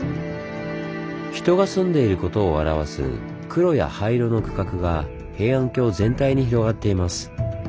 人が住んでいることを表す黒や灰色の区画が平安京全体に広がっています。